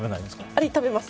アリ、食べます。